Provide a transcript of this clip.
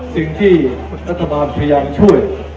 สิ่งที่รัฐบาลพยายามช่วย